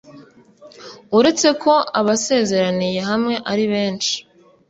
uretse ko abasezeraniye hamwe ari benshi